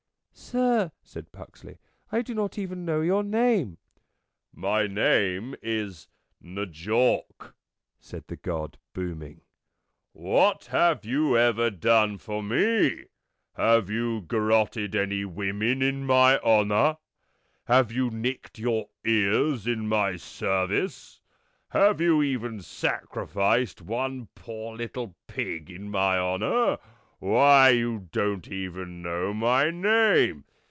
" Sir," said Puxley, " I do not even know your name." " My name is N' Jawk," said the God, booming. "What have you ever done for me? Have you garrotted any women in my honour? Have you nicked your ears in my service? Have you even sacrificed one poor little pig in my honour? Why, you don't even know my name!"